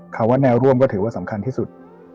คำว่าแนวร่วมก็ถือว่าสำคัญที่สุด